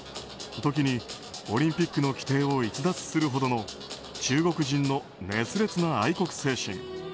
時に、オリンピックの規定を逸脱するほどの中国人の熱烈な愛国精神。